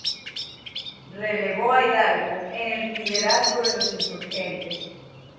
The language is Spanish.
Relevó a Hidalgo en el liderazgo de los insurgentes.